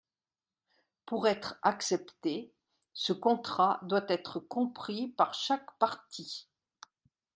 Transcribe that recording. Pour être accepté, ce contrat doit être compris par chaque partie.